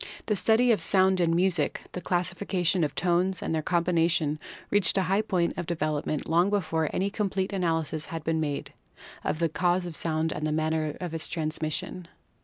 The study of sound in music, the classification of tones and their combination reached a high point of development long before any complete analysis had been made of the cause of sound and the manner of its transmission.